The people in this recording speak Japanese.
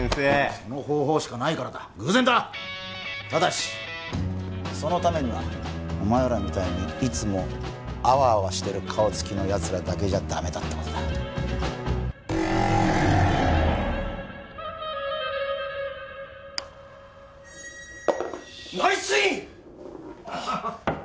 その方法しかないからだ偶然だただしそのためにはお前らみたいにいつもあわあわしてる顔つきのやつらだけじゃダメだってことだナイスイン！